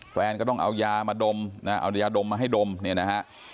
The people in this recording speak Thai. แฟนก็ต้องเอายามาดมนะเอายาดมมาให้ดมเนี่ยนะฮะ